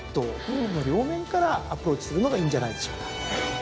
両面からアプローチするのがいいんじゃないでしょうか。